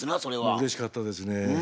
うれしかったですね。